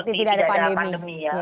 jadi tidak ada pandemi ya